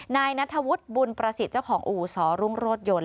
นายนัทธวุฒิบุญประสิทธิ์เจ้าของอู่สรุ่งรถยนต์